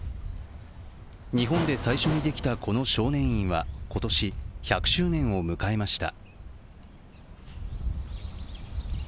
日本で最初に出来たこの少年院は今年、１００周年を迎えました。